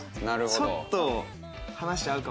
ちょっと話合うかもしれない。